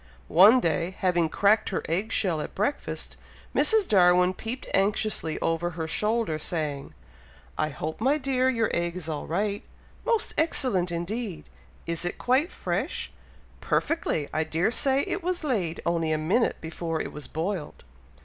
One day, having cracked her egg shell at breakfast, Mrs. Darwin peeped anxiously over her shoulder, saying, "I hope, my dear! your egg is all right?" "Most excellent indeed!" "Is it quite fresh?" "Perfectly! I dare say it was laid only a minute before it was boiled!"